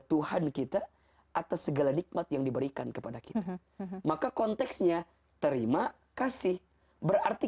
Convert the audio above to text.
tuhan kita atas segala nikmat yang diberikan kepada kita maka konteksnya terima kasih berarti